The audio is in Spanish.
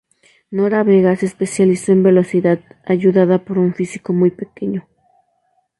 Nora Vega se especializó en velocidad, ayudada por un físico muy pequeño.